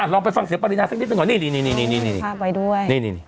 อ่ะลองไปฟังเสียบรินาสักนิดหนึ่งก่อนนี่ผ้าไปด้วย